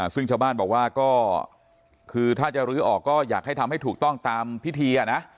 ซึ่งชาวบ้านบอกว่าก็คือถ้าจะลื้อออกก็อยากให้ทำให้ถูกต้องตามพิธีนะ